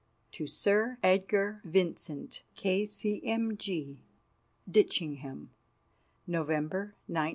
To Sir Edgar Vincent, K.C.M.G. Ditchingham, November, 1913.